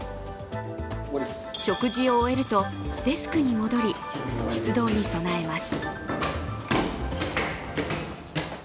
食事を終えるとデスクに戻り、出動に備えます。